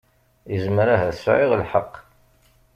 Yezmer ahat sɛiɣ lḥeqq.